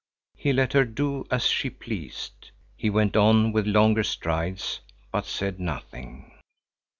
He let her do as she pleased. He went on with longer strides, but said nothing.